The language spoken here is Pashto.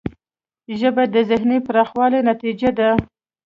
ژبه د ذهنی پراخوالي نتیجه ده